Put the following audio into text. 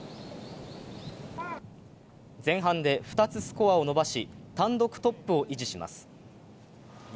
前半で２つスコアを伸ばし、単独トップを維持します。